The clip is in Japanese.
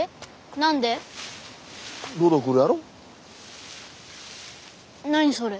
何それ。